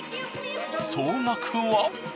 総額は。